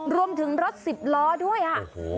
รวมถึงรถ๑๐ล้อด้วยอะ